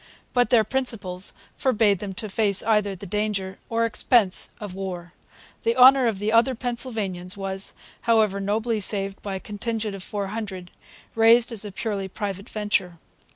But their principles forbade them to face either the danger or expense of war. The honour of the other Pennsylvanians was, however, nobly saved by a contingent of four hundred, raised as a purely private venture.